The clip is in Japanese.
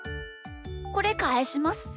これかえします。